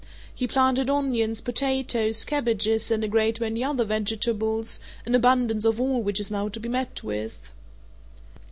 He planted onions, potatoes, cabbages, and a great many other vegetables, an abundance of all which is now to be met with.